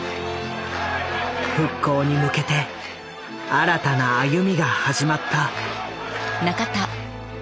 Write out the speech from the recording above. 復興に向けて新たな歩みが始まった。